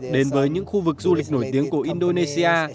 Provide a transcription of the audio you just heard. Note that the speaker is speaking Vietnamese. đến với những khu vực du lịch nổi tiếng của indonesia